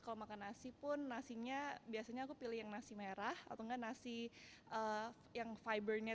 kalau makan nasi pun nasinya biasanya aku pilih yang nasi merah atau enggak nasi yang fibernya